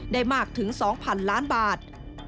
ได้มากถึง๒๐๐๐ล้านบาท